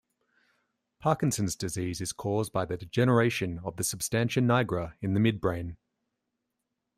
Parkinson's disease is caused by the degeneration of the substantia nigra in the midbrain.